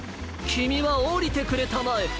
きみはおりてくれたまえ。